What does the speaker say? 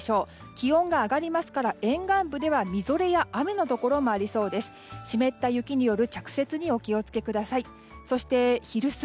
気温が上がりますから沿岸部では、みぞれや雨のところもありそうです。